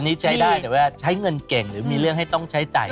อันนี้ใช้ได้แต่ว่าใช้เงินเก่งหรือมีเรื่องให้ต้องใช้จ่าย